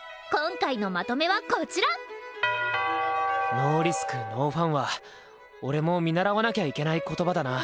ノーリスクノーファンは俺も見習わなきゃいけない言葉だな！